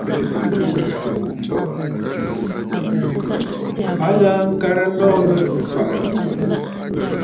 A ghaa ŋkarə nlɔɔ nɨ̂ ɨ̀fàʼà.